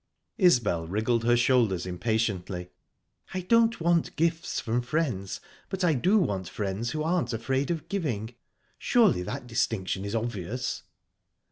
Isbel wriggled her shoulders impatiently. "I don't want gifts from friends, but I do want friends who aren't afraid of giving. Surely that distinction is obvious?"